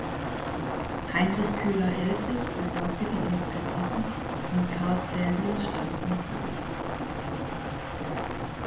Heinrich Köhler-Helffrich besorgte die Inszenierung und Carl Caelius stand am Pult.